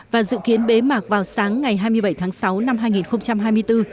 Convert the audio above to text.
và dự kiến bế mạc vào sáng ngày hai mươi bảy tháng sáu năm hai nghìn hai mươi bốn